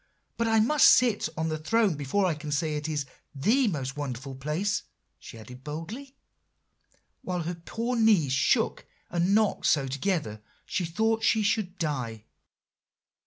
But I must sit on that throne before I can say it is the most wonderful place,' she added boldly, while her poor knees shook and knocked so together she thought she should die.